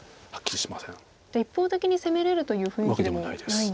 じゃあ一方的に攻めれるという雰囲気でもない。